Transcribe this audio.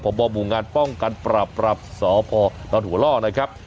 ประบอบบู่งานป้องกันปรับปรับสอบพอรอดหัวล่อนะครับ